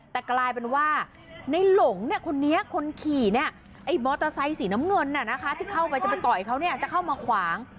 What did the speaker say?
แต่กลายเป็นว่าในหลงเนี่ยคนนี้คนขี่เนี่ยไอ้มอเตอร์ไซค์สีน้ำเงินที่เข้าไปจะไปต่อยเขาจะเข้ามาขวาง